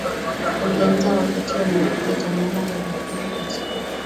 ulianzia wakati wa Malkia Tamara Walakini katika